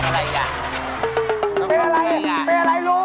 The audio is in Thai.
ตายแล้วลูกสา